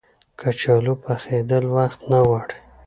کچالو پخېدل وخت نه غواړي